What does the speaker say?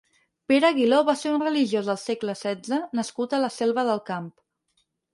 Pere Aguiló va ser un religiós del segle setze nascut a la Selva del Camp.